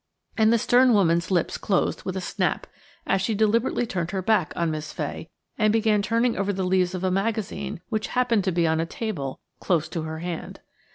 And the stern woman's lips closed with a snap, as she deliberately turned her back on Miss Fay and began turning over the leaves of a magazine which happened to be on a table close to her hand.